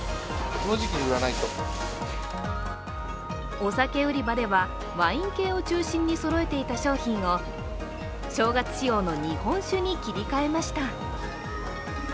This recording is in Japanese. お酒売り場ではワイン系を中心にそろえていた商品を正月仕様の日本酒に切り替えました。